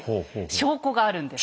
証拠があるんです。